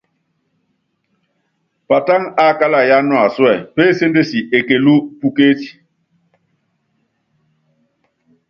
Patáŋa ákála yáá nuasúɛ, péséndesi ekelú pukécí.